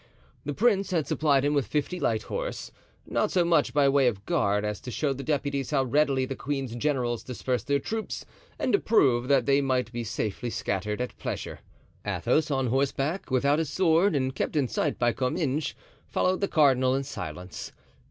The prince had supplied him with fifty light horse, not so much by way of guard as to show the deputies how readily the queen's generals dispersed their troops and to prove that they might be safely scattered at pleasure. Athos, on horseback, without his sword and kept in sight by Comminges, followed the cardinal in silence.